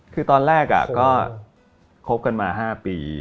คือตอนแรกก็คบกันมา๕ปี